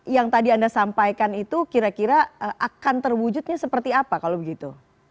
yang tadi anda sampaikan itu kira kira akan terwujudnya seperti apa kalau begitu